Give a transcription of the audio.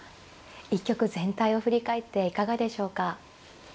一局全体を振り返っていかがでしょうか。